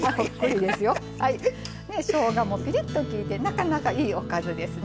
しょうがも、ぴりっとしてなかなか、いいおかずですね。